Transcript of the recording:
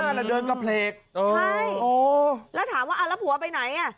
อันนั้นเดินกับเพลงใช่แล้วถามว่าแล้วผัวไปไหน